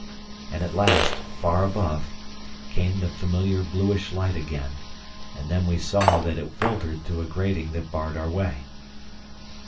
And at last, far above, came the familiar bluish light again, and then we saw that it filtered through a grating that barred our way.